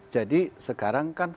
jadi sekarang kan